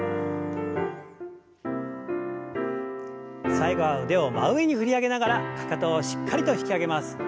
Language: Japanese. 最後は腕を真上に振り上げながらかかとをしっかりと引き上げます。